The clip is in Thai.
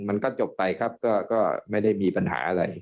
มันก็จบไปครับก็ไม่ได้มีปัญหาอะไร